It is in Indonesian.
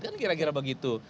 kan kira kira begitu